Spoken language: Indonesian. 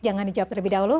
jangan dijawab terlebih dahulu